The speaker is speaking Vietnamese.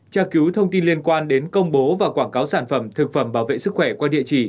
tra cứu thông tin liên quan đến công bố và quảng cáo sản phẩm thực phẩm bảo vệ sức khỏe qua địa chỉ